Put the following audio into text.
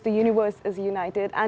karena universitas anda berkumpul